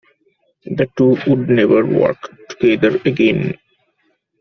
The two would never work together again.